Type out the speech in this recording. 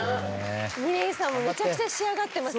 ＭＩＲＥＹさんもめちゃくちゃ仕上がってますね。